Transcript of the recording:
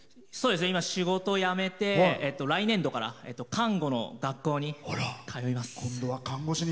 今、仕事辞めて、来年度から看護の学校に通います。